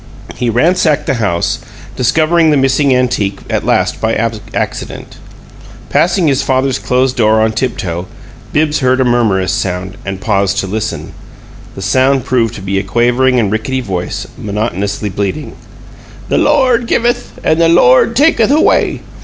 He ransacked the house, discovering the missing antique at last by accident. Passing his father's closed door on tiptoe, Bibbs heard a murmurous sound, and paused to listen. The sound proved to be a quavering and rickety voice, monotonously bleating: "The Lo ord givuth and the Lo ord takuth away!